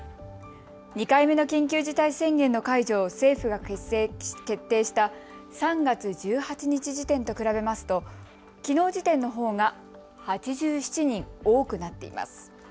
２回目の緊急事態宣言の解除を政府が決定した３月１８日時点と比べますときのう時点のほうが８７人多くなっています。